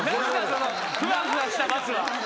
そのふわふわした罰は。